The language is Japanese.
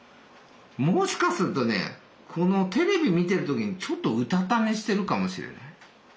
もしかするとねこのテレビ見てる時にちょっとうたた寝してるかもしれない。